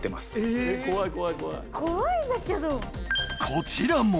［こちらも］